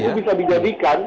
mudah mudahan itu bisa dijadikan